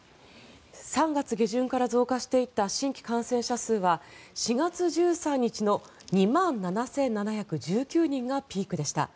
３月下旬から増加していった新規感染者数は４月１３日の２万７７１９人がピークでした。